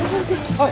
はい。